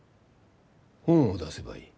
本を出せばいい。